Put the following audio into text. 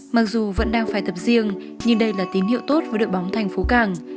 mặc dù vẫn đang phải tập riêng nhưng đây là tín hiệu tốt với đội bóng thành phố càng